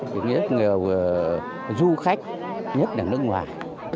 rất nhiều du khách nhất là nước ngoài